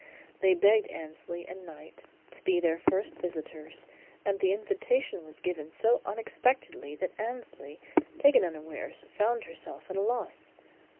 They begged Annesley and Knight to be their first visitors, and the invitation was given so unexpectedly that Annesley, taken unawares, found herself at a loss.